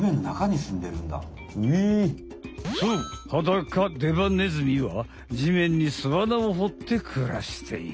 そうハダカデバネズミはじめんにすあなをほってくらしている。